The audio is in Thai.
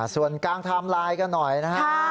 ส่วนกลางไทม์ไลน์ก็หน่อยนะครับ